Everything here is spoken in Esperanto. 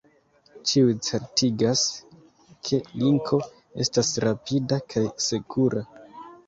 Tiuj certigas, ke Linko estas rapida kaj sekura.